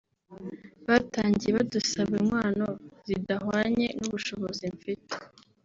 batangiye badusaba inkwano zidahwanye n’ubushozi mfite